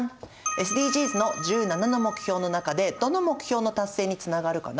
ＳＤＧｓの１７の目標の中でどの目標の達成につながるかな？